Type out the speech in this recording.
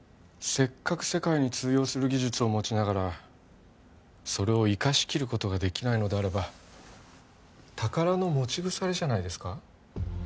せっかく世界に通用する技術を持ちながらそれを生かし切ることができないのであれば宝の持ち腐れじゃないですか？